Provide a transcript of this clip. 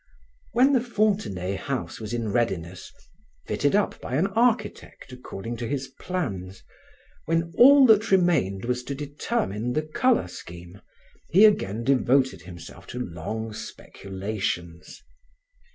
When the Fontenay house was in readiness, fitted up by an architect according to his plans, when all that remained was to determine the color scheme, he again devoted himself to long speculations.